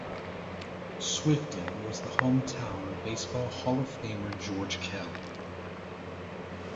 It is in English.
Swifton was the hometown of Baseball Hall of Famer George Kell.